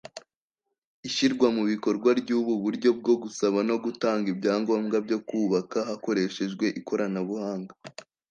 Ishyirwa mu bikorwa ry’ubu buryo bwo gusaba no gutanga ibyangombwa byo kubaka hakoreshejwe ikoranabuhanga